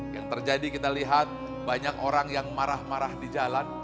yang terjadi kita lihat banyak orang yang marah marah di jalan